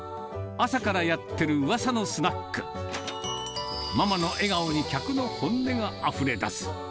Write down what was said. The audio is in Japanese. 朝からやってるうわさのスナック、ママの笑顔に客の本音があふれ出す。